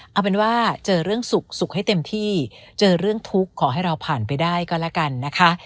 เอาเป็นว่าเจอเรื่องสุขสุขให้เต็มที่เจอเรื่องทุกข์ขอให้เราผ่านไปได้ก็แล้วกันนะคะ